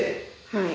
はい。